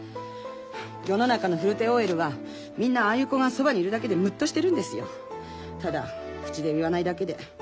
世の中の古手ＯＬはみんなああいう子がそばにいるだけでムッとしてるんですよ。ただ口で言わないだけで。